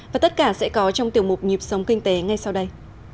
và tất cả sẽ có trong tiểu mục nhịp sống kinh tế ngay sau đây